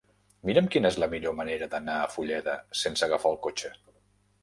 Mira'm quina és la millor manera d'anar a Fulleda sense agafar el cotxe.